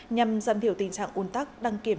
nhằm giam thiểu tình trạng ồn tắc đăng kiểm